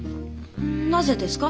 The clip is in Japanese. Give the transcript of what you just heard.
なぜですか？